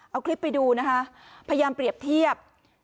เอาคลิปไปดูนะคะพยายามเปรียบเทียบ